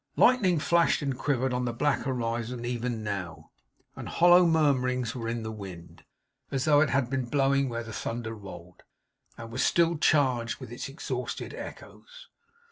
Lightning flashed and quivered on the black horizon even now; and hollow murmurings were in the wind, as though it had been blowing where the thunder rolled, and still was charged with its exhausted echoes.